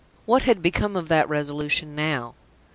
What had become of that resolution now?